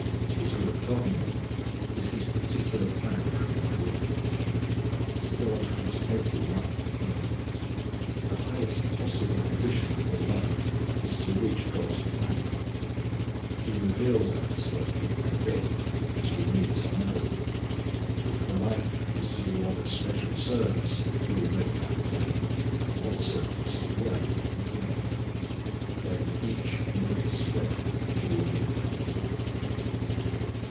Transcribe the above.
His will of government is His particular plan for my life. God has every life planned. The highest possible ambition for a life is to reach God's plan. He reveals that to us bit by bit as we need to know. If the life is to be one of special service He will make that plain, what service, and where, and when. Then each next step He will make plain.